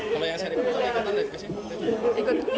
kalau yang seri pertama ikutan dan ikut sih